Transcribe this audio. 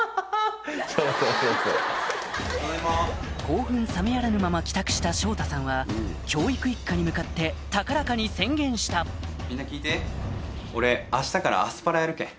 興奮冷めやらぬまま帰宅した翔太さんは教育一家に向かって高らかに宣言したみんな聞いて。